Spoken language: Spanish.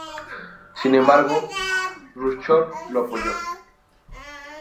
Sin embargo, Jrushchov lo apoyó.